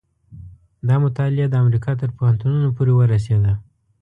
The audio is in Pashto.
دا مطالعه د امریکا تر پوهنتونونو پورې ورسېده.